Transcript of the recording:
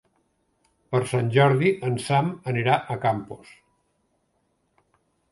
Per Sant Jordi en Sam anirà a Campos.